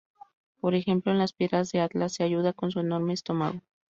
Por ejemplo en las piedras de Atlas, se ayuda con su enorme estómago.